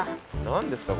何ですか？